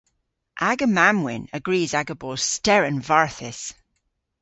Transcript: Aga mamm-wynn a grys aga bos steren varthys.